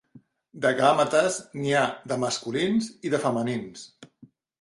De gàmetes n'hi ha de masculins i de femenins.